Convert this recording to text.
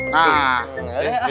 nah gede lah